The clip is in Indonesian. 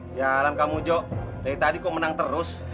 jalan kamu jok dari tadi kau menang terus